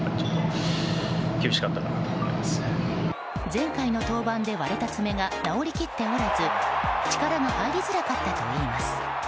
前回の登板で割れた爪が治りきっておらず力が入りづらかったといいます。